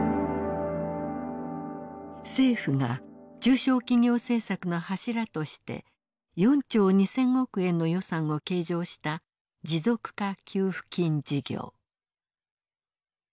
政府が中小企業政策の柱として４兆２，０００億円の予算を計上した持続化給付金事業。